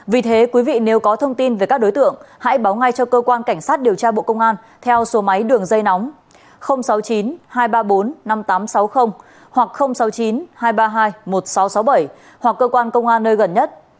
vì thế quý vị nếu có thông tin về các đối tượng hãy báo ngay cho cơ quan cảnh sát điều tra bộ công an theo số máy đường dây nóng sáu mươi chín hai trăm ba mươi bốn năm nghìn tám trăm sáu mươi hoặc sáu mươi chín hai trăm ba mươi hai một nghìn sáu trăm sáu mươi bảy hoặc cơ quan công an nơi gần nhất